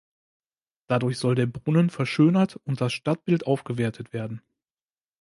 Dadurch soll der Brunnen verschönert und das Stadtbild aufgewertet werden.